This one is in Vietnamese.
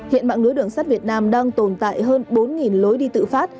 hiện mạng lưới đường sắt việt nam đang tồn tại hơn bốn lối đi tự phát